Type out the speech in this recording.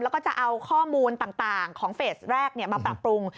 แล้วก็จะเอาข้อมูลต่างของเฟสแรกมาปรับปรุง